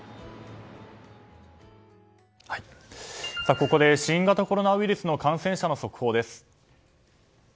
ここで新型コロナウイルスの感染者の速報です。